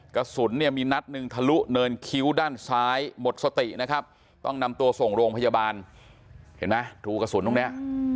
กระสุนเนี่ยมีนัดหนึ่งทะลุเนินคิ้วด้านซ้ายหมดสตินะครับต้องนำตัวส่งโรงพยาบาลเห็นไหมรูกระสุนตรงนี้